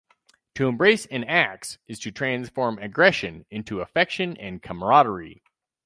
To embrace an axe is to transform aggression into affection and camaraderie.